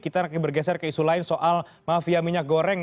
kita bergeser ke isu lain soal mafia minyak goreng